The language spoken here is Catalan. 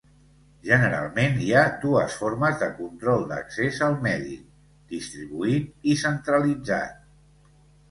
Generalment hi ha dues formes de control d'accés al medi: distribuït i centralitzat.